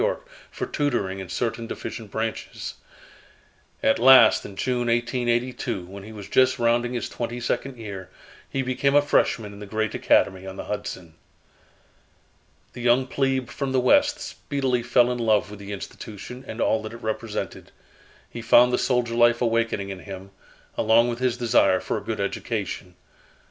Y., for tutoring in certain deficient branches. At last in June, 1882, when he was just rounding his twenty second year, he became a freshman in the great Academy on the Hudson. The young plebe from the West speedily fell in love with the institution and all that it represented. He found the soldier life awakening in him, along with his desire for a good education.